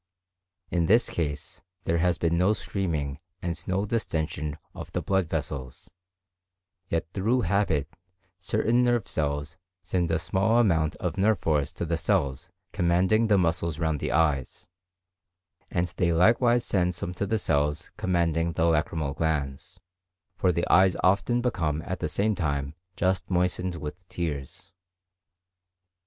In this case there has been no screaming and no distension of the blood vessels, yet through habit certain nerve cells send a small amount of nerve force to the cells commanding the muscles round the eyes; and they likewise send some to the cells commanding the lacrymal glands, for the eyes often become at the same time just moistened with tears.